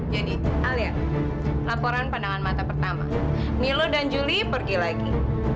jadi alia laporan pandangan mata pertama milo dan julie pergi lagi